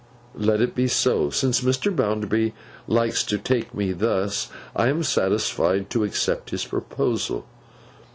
'Let it be so. Since Mr. Bounderby likes to take me thus, I am satisfied to accept his proposal.